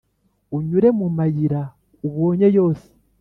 unyure mu mayira ubonye yose;